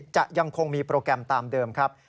จะยังคงมีโปรแกรมตามเดิมครับ